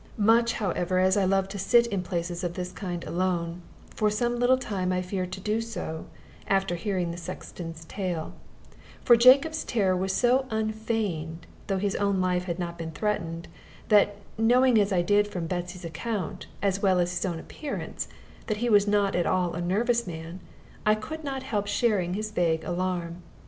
Much, however, as I loved to sit in places of this kind alone, for some little time I feared to do so, after hearing the sexton's tale; for Jacob's terror was so unfeigned (though his own life had not been threatened) that, knowing as I did from Betsy's account, as well as his own appearance, that he was not at all a nervous man, I could not help sharing his vague alarm.